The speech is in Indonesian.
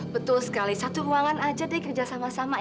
betul sekali satu ruangan aja deh kerja sama sama